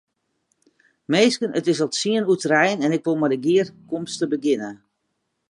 Minsken, it is al tsien oer trijen en ik wol mei de gearkomste begjinne.